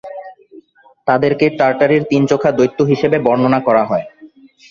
তাদেরকে টার্টারির তিন-চোখা দৈত্য হিসেবে বর্ণনা করা হয়।